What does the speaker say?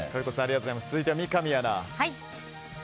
続いて三上アナ。